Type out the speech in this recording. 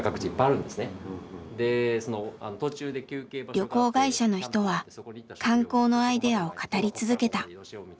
旅行会社の人は観光のアイデアを語り続けた。